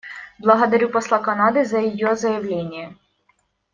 Благодарю посла Канады за ее заявление.